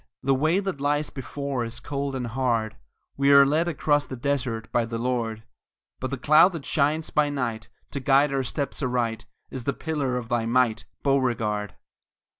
The way that lies before Is cold and hard; We are led across the desert By the Lord! But the cloud that shines by night To guide our steps aright, Is the pillar of thy might, Beauregard!